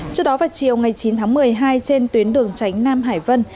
trước đó vào chiều ngày chín tháng một mươi hai trên tuyến đường tránh nam hải vân